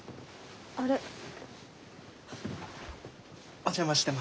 お邪魔してます。